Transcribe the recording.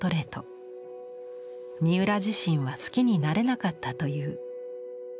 三浦自身は好きになれなかったという。